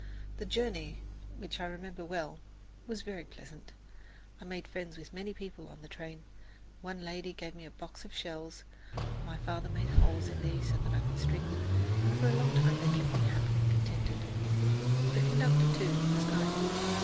The journey, which I remember well was very pleasant. I made friends with many people on the train. One lady gave me a box of shells. My father made holes in these so that I could string them, and for a long time they kept me happy and contented. The conductor, too, was kind.